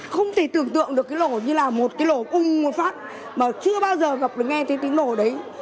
không thể tưởng tượng được cái lỗ như là một cái lỗ cung một phát mà chưa bao giờ nghe thấy tiếng nổ đấy